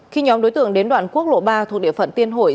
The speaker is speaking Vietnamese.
khi nhóm đối tượng đến đoạn quốc lộ ba thuộc địa phận tiên hội